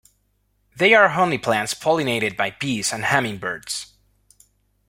They are honey plants pollinated by bees and hummingbirds.